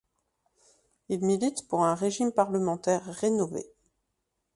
Il milite pour un régime parlementaire rénové.